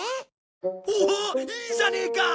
おおいいじゃねえか！